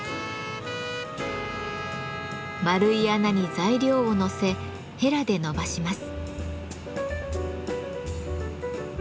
丸い穴に材料をのせヘラでのばします。